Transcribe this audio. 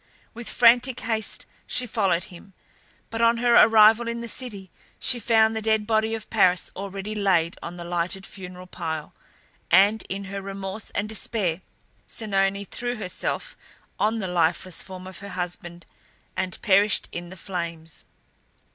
With frantic haste she followed him; but on her arrival in the city she found the dead body of Paris already laid on the lighted funeral pile, and, in her remorse and despair, Oenone threw herself on the lifeless form of her husband and perished in the flames.